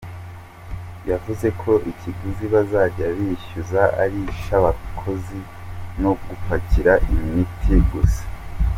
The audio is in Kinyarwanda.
Yavuze ko ikiguzi bazajya bishyuza ari icy’abakozi no gupakira imiti gusa.